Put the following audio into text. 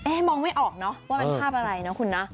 มองไม่ออกเนอะว่าเป็นภาพอะไรนะคุณนะ